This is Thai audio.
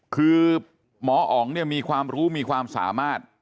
คือหมออ๋องเนี่ยมีความรู้มีความสามารถ